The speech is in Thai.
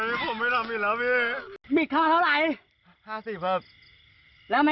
ยกมือขอโทษเขา